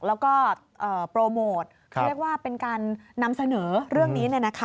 แล้วก็โปรโมทเขาเรียกว่าเป็นการนำเสนอเรื่องนี้